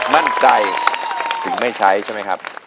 มั่นใจถึงไม่ใช้ใช่ไหมครับ